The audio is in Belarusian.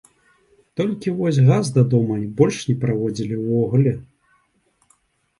Толькі вось газ да дома больш не праводзілі ўвогуле.